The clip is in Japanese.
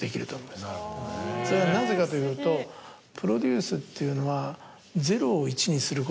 それはなぜかというとプロデュースっていうのは。